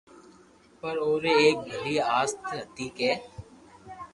پر او ري ايڪ ڀلي آست ھتي ڪي